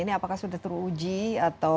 ini apakah sudah teruji atau